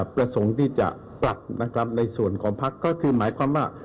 ประสงค์ที่จะปรับนะครับในส่วนของพักก็คือหมายความว่า